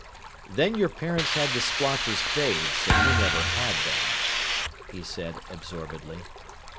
"Then your parents had the splotches fade, so you never had them," he said absorbedly.